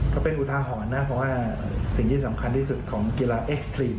ก็เป็นอุทาหรณ์นะเพราะว่าสิ่งที่สำคัญที่สุดของกีฬาเอ็กซ์ตรีม